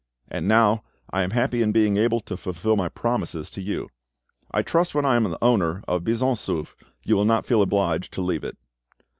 And now. I am happy in being able to fulfil my promises to you. I trust when I am the owner of Buisson Souef you will not feel obliged to leave it."